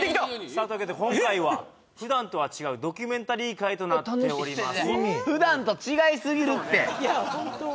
さあというわけで今回は普段とは違うドキュメンタリー回となっております